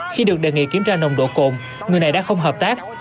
khi được đề nghị kiểm tra nồng độ cồn người này đã không hợp tác